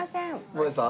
もえさん。